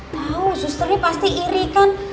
tau susternya pasti iri kan